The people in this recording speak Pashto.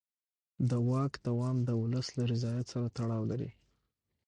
د واک دوام د ولس له رضایت سره تړاو لري